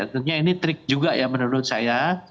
tentunya ini trik juga ya menurut saya